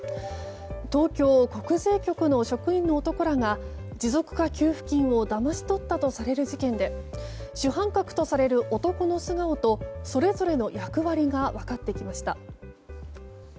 東京国税局の職員の男らが持続化給付金をだまし取ったとされる事件で主犯格とされる男の素顔とそれぞれの役割が分かってきました。